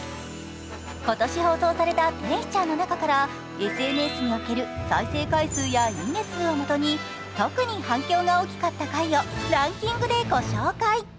今年放送された天使ちゃんの中から、ＳＮＳにおける再生回数やいいね数をもとに特に反響が大きかった回をランキングでご紹介。